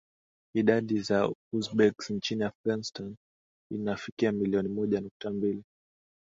Idadi ya Uzbeks nchini Afghanistan inafikia milioni moja nukta mbili